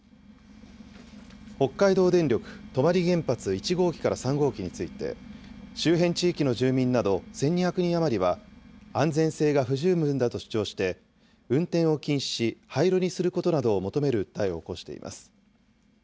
北海道電力泊原発１号機から３号機について、周辺地域の住民など１２００人余りは、安全性が不十分だと主張して、運転を禁止し廃炉にすることなどを求める訴えを起こしています。